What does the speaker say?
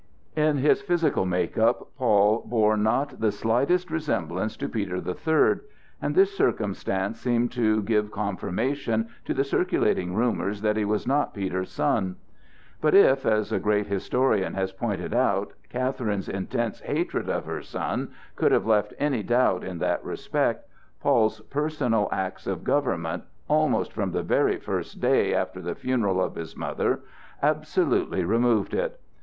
In his physical make up Paul bore not the slightest resemblance to Peter the Third, and this circumstance seemed to give confirmation to the circulating rumors that he was not Peter's son. But if, as a great historian has pointed out, Catherine's intense hatred of her son could have left any doubt in that respect, Paul's personal acts of government, almost from the very first day after the funeral of his mother, absolutely removed it.